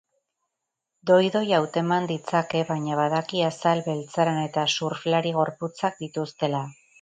Doi-doi hauteman ditzake, baina badaki azal beltzaran eta surflari gorputzak dituztela.